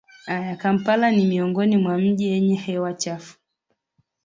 Kampala ni miongoni mwa miji yenye hewa chafu